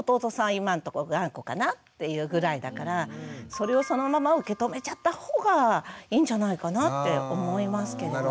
今んとこ頑固かなっていうぐらいだからそれをそのまま受け止めちゃったほうがいいんじゃないかなって思いますけどね。